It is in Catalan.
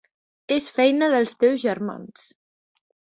És feina dels teus germans.